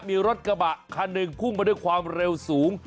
มีรถกระบะคันหนึ่งพุ่งมาด้วยความเร็วสูง